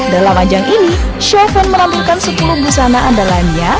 dalam ajang ini chauvin menampilkan sepuluh busana andalanya